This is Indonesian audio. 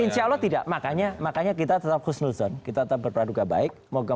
insya allah tidak makanya kita tetap khusnulson kita tetap berpaduka baik